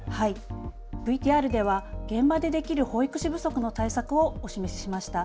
ＶＴＲでは現場でできる保育士不足の対策をお示ししました。